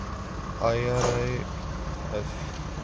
IRAS